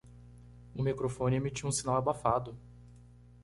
O microfone emitiu um sinal abafado.